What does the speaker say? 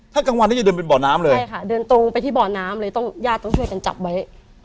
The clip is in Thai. ถ้ากลางวันจะเดินไปเบาะน้ำเลยค่ะเดินตรงไปที่เบาะน้ำเลยญาติต้องช่วยกันจับไว้